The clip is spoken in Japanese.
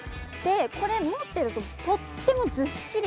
これを持っているととても、ずっしり。